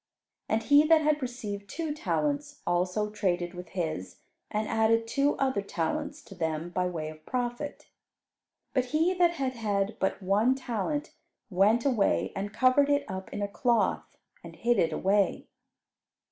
And he that had received two talents, also traded with his, and added two other talents to them by way of profit. But he that had had but one talent went away and covered it up in a cloth and hid it away.